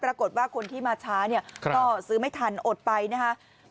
ปรากฏว่าคนที่มาช้าเนี่ยก็ซื้อไม่ทันอดไปนะครับ